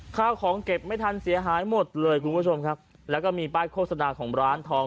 ข้าวของเก็บไม่ทันเสียหายหมดเลยคุณผู้ชมครับแล้วก็มีป้ายโฆษณาของร้านทอง